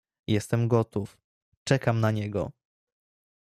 "jestem gotów, czekam na niego!"